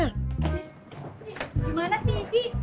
eh gimana sih ibi